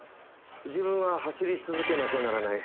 自分は走り続けなきゃならない。